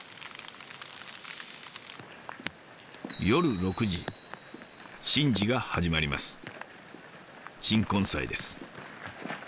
夜６時神事が始まります。